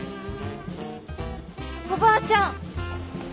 おばあちゃん！